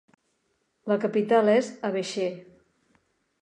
La capital és Abéché.